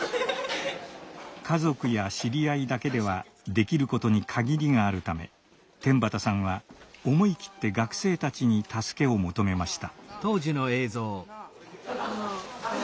家族や知り合いだけではできることに限りがあるため天畠さんは思い切って学生たちに助けを求めました。